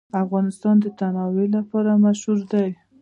افغانستان د تنوع لپاره مشهور دی.